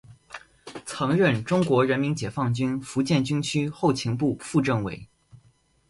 曾任中国人民解放军福建军区后勤部副政委。